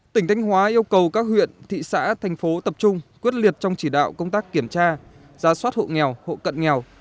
tỉnh thanh hóa yêu cầu các huyện thị xã thành phố tập trung quyết liệt trong chỉ đạo công tác kiểm tra giả soát hộ nghèo hộ cận nghèo